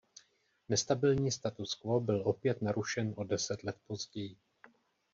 Nestabilní status quo byl opět narušen o deset let později.